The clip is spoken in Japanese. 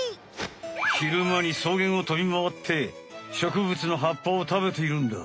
昼間に草原を飛びまわってしょくぶつの葉っぱをたべているんだ。